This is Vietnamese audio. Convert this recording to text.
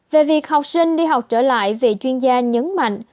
về việc học sinh đi học trở lại vị chuyên gia nhấn mạnh